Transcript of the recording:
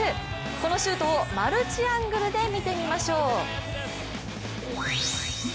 このシュートをマルチアングルで見てみましょう。